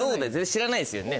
知らないですよね